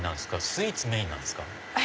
スイーツメインなんですか？